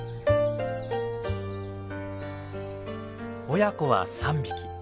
親子は３匹。